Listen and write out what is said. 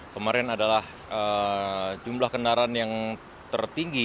kemarin adalah jumlah kendaraan yang tertinggi